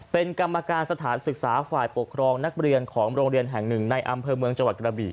เป็นกรรมการสถานศึกษาฝ่ายปกครองนักเรียนของโรงเรียนแห่งหนึ่งในอำเภอเมืองจังหวัดกระบี่